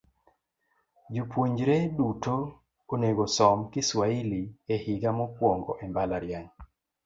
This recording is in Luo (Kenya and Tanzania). Jopuonjre duto onegosom Kiswahili e higa mokwongo e mbalariany .